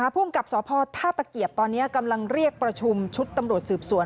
ภูมิกับสพท่าตะเกียบตอนนี้กำลังเรียกประชุมชุดตำรวจสืบสวน